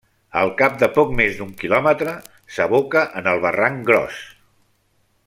Al cap de poc més d'un quilòmetre s'aboca en el barranc Gros.